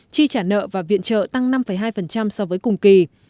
chi trả nợ và viện trợ tăng năm hai so với cùng kỳ